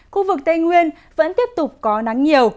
khu vực tây nguyên vẫn tiếp tục có nắng nhiều